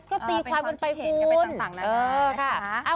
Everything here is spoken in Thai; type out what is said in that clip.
เป็นความที่เห็นกันเป็นต่างนะครับ